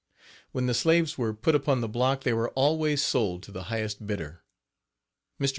When the slaves were put upon the block they were always sold to the highest bidder. Mr.